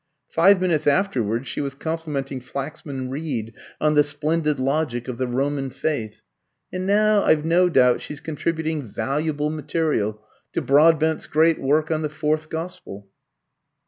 Five minutes afterwards she was complimenting Flaxman Reed on the splendid logic of the Roman Faith, and now I've no doubt she's contributing valuable material to Broadbent's great work on the Fourth Gospel."